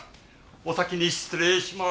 お先に失礼します。